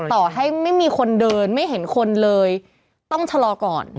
ต่อให้ไม่มีคนเดินไม่เห็นคนเลยต้องชะลอก่อน